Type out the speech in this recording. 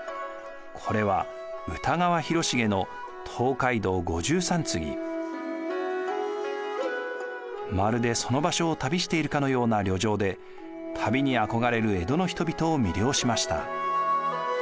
これはまるでその場所を旅しているかのような旅情で旅に憧れる江戸の人々を魅了しました。